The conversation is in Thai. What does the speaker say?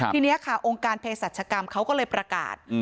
ทีนี้ค่ะองค์การเพศรัชกรรมเขาก็เลยประกาศ